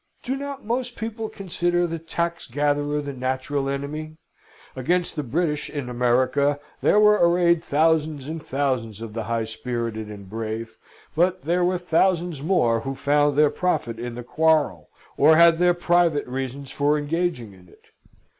Do not most people consider the tax gatherer the natural enemy? Against the British in America there were arrayed thousands and thousands of the high spirited and brave, but there were thousands more who found their profit in the quarrel, or had their private reasons for engaging in it.